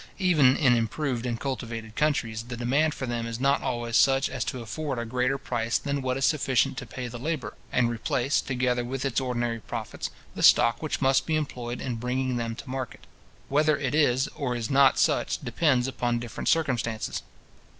Even in improved and cultivated countries, the demand for them is not always such as to afford a greater price than what is sufficient to pay the labour, and replace, together with its ordinary profits, the stock which must be employed in bringing them to market. Whether it is or is not such, depends upon different circumstances.